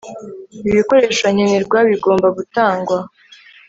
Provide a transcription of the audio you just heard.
ibikoresho nkenerwa bigomba gutangwa